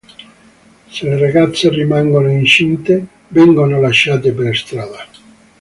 Se le ragazze rimangono incinte, vengono lasciate per strada.